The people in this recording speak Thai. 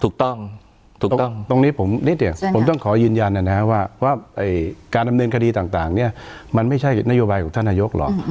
ถูกต้องถูกต้องตรงนี้ผมนิดเดียวผมต้องขอยืนยันนะครับว่าการดำเนินคดีต่างเนี่ยมันไม่ใช่นโยบายของท่านนายกหรอก